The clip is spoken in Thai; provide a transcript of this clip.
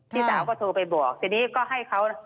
พี่สาวก็โทรไปบอกทีนี้ก็ให้เขา